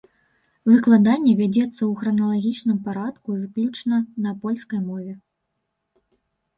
Выкладанне вядзецца ў храналагічным парадку і выключна на польскай мове.